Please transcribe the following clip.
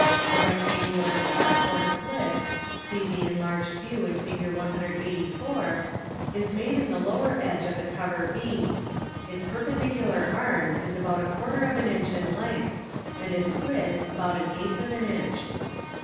A rectangular cut or slit (see the enlarged view in Fig. 184) is made in the lower edge of the cover h. Its perpendicular arm is about a quarter of an inch in length, and its width about an eighth of an inch.